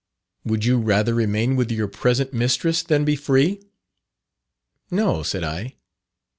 'Would you rather remain with your present mistress, than be free?' 'No,' said I.